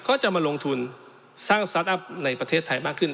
ก็จะมาลงทุนสร้างสตาร์ทอัพในประเทศไทยมากขึ้น